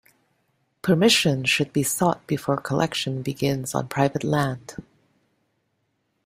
Permission should be sought before collection begins on private land.